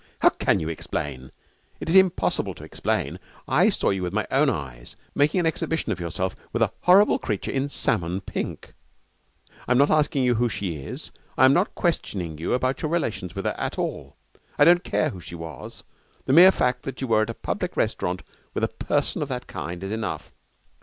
How can you explain? It is impossible to explain. I saw you with my own eyes making an exhibition of yourself with a horrible creature in salmon pink. I'm not asking you who she is. I'm not questioning you about your relations with her at all. I don't care who she was. The mere fact that you were at a public restaurant with a person of that kind is enough.